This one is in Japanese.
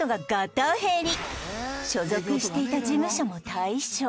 所属していた事務所も退所